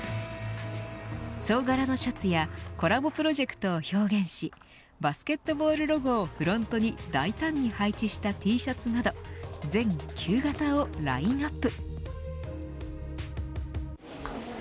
総柄のシャツやコラボプロジェクトを表現しバスケットボールロゴをフロントに大胆に配置したＴシャツなど全９型をラインアップ。